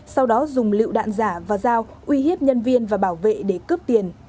sau đó dùng lựu đạn giả và dao uy hiếp nhân viên và bảo vệ để cướp tiền